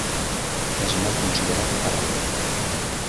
És molt considerat de part teva.